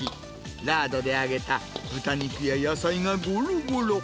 ラードで揚げた豚肉や野菜がごろごろ。